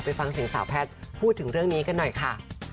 ฟังเสียงสาวแพทย์พูดถึงเรื่องนี้กันหน่อยค่ะ